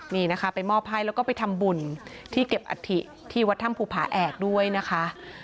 นี่นะคะไปมอบให้แล้วก็ไปทำบุญที่เก็บอัฐิที่วัดถ้ำภูผาแอกด้วยนะคะ